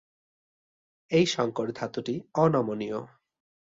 এই সংকর ধাতুটি অনমনীয়।